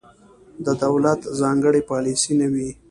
د دولت ځانګړې پالیسي نه وي.